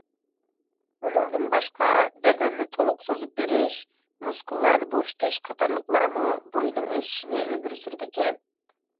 ئۇنىڭدىن باشقا بەدەننى تولۇق سوزۇپ بېرىش، مۇسكۇللارنى بوشىتىش قاتارلىقلارمۇ بوينىڭ ئۆسۈشىنى ئىلگىرى سۈرىدىكەن.